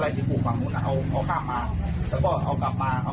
แล้วก็เอากลับมาเอามาส่งให้แฟนที่บ้านเขามีกลับมานี่ครับ